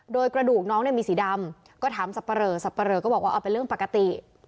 โดยกระดูกน้องเนี่ยมีสีดำก็ถามสับปะเหลอสับปะเหลอก็บอกว่าเอาเป็นเรื่องปกติ